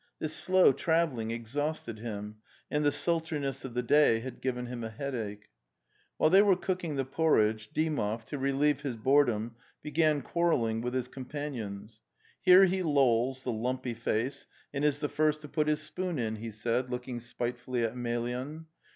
This slow travelling exhausted him, and the sultri ness of the day had given him a headache. While they were cooking the porridge, Dymov, to relieve his boredom, began quarrelling with his com panions. '" Here he lolls, the lumpy face, and is the first to put his spoon in," he said, looking spitefully at Emel yan.